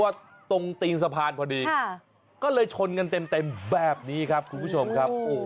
ตรงตีนสะพานพอดีก็เลยชนกันเต็มแบบนี้ครับคุณผู้ชมครับ